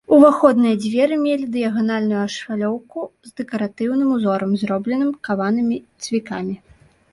Уваходныя дзверы мелі дыяганальную ашалёўку з дэкаратыўным узорам, зробленым каванымі цвікамі.